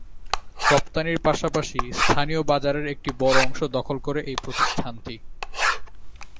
রপ্তানির পাশাপাশি স্থানীয় বাজারের একটি বড় অংশ দখল করে এই প্রতিষ্ঠানটি।